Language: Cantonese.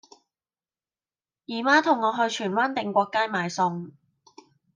姨媽同我去荃灣定國街買餸